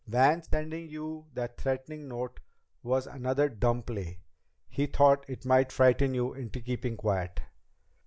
Van sending you that threatening note was another dumb play. He thought it might frighten you into keeping quiet."